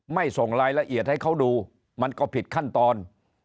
ส่งรายละเอียดให้เขาดูมันก็ผิดขั้นตอน